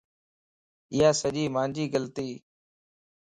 ايا سڄي مانجي غلطيَ